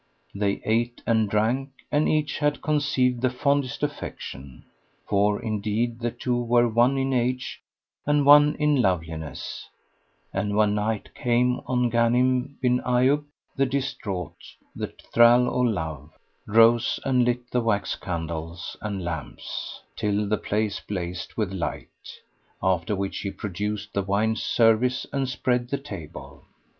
They ate and drank and each had conceived the fondest affection; for indeed the two were one in age and one in loveliness; and when night came on Ghanim bin Ayyub, the Distraught, the Thrall o' Love, rose and lit the wax candles and lamps till the place blazed with light;[FN#107] after which he produced the wine service and spread the table.